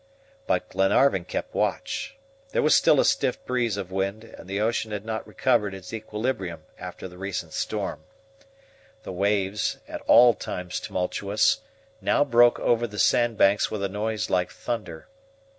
But Glenarvan kept watch. There was still a stiff breeze of wind, and the ocean had not recovered its equilibrium after the recent storm. The waves, at all times tumultuous, now broke over the sand banks with a noise like thunder.